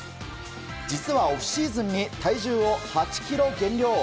実はオフシーズンに体重を８ｋｇ減量。